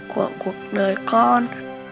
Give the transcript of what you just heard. của cuộc đời con